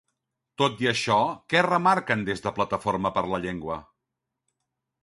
Tot i això, què remarquen des de Plataforma per la Llengua?